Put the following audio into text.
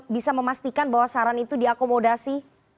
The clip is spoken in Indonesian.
bisa memastikan bahwa saran itu diakomodasi